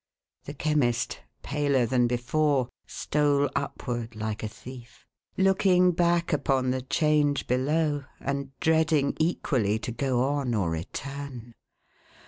The Chemist, paler than before, stole upward like a thief; looking back upon the change below, and dreading equally to go on or return.